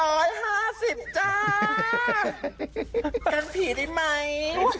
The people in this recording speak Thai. ออกมาแล้วจ้า